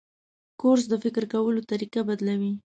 کورس د فکر کولو طریقه بدلوي.